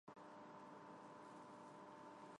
Այդպիսի քաղաքներ շատ քիչ են մնացել ամբողջ աշխարհում։